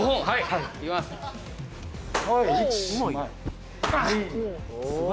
はいはい１！